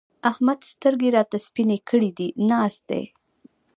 احمد سترګې راته سپينې کړې دي؛ ناست دی.